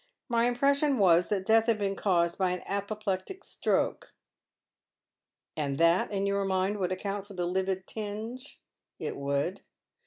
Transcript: My impression was that death had been caused by an apoplectic stroke." " And that, in your mind, would account for the livid tinge ?" "It would."